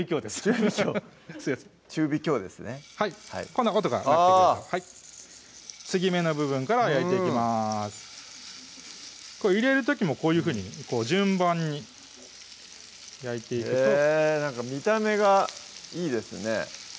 こんな音が鳴ってくる継ぎ目の部分から焼いていきます入れる時もこういうふうに順番に焼いていくとへぇ見た目がいいですね